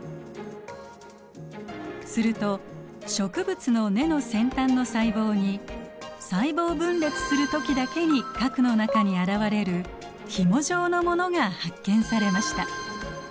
すると植物の根の先端の細胞に細胞分裂する時だけに核の中に現れるひも状のものが発見されました。